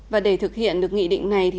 và để thực hiện được nghị định này